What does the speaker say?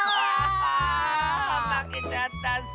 あぁまたまけちゃったッス。